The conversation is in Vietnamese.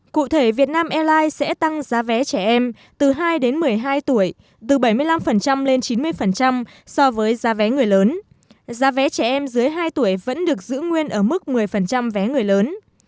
cụ thể việt nam airlines sẽ tăng giá vé trẻ em từ hai đến một mươi hai tuổi từ bảy mươi năm lên chín mươi so với giá vé người lớn giá vé trẻ em dưới hai tuổi vẫn được giữ nguyên ở mức một mươi vé người lớn